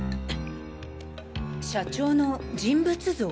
社長の人物像？